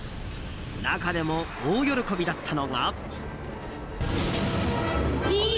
中でも大喜びだったのが。